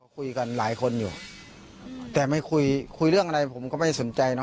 คุยกันหลายคนอยู่แต่ไม่คุยคุยเรื่องอะไรผมก็ไม่สนใจเนอ